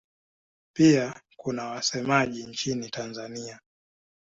Pia kuna wasemaji nchini Tanzania.